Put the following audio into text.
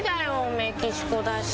メキシコだし。